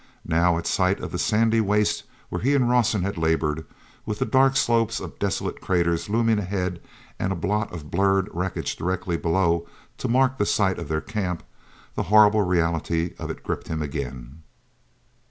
Now, at sight of the sandy waste where he and Rawson had labored, with the dark slopes of desolate craters looming ahead and a blot of burned wreckage directly below to mark the site of their camp, the horrible reality of it gripped him again.